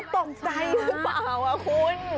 ตกใจหรือเปล่าคุณ